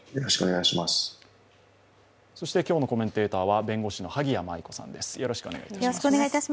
今日のコメンテーターは弁護士の萩谷麻衣子さんです。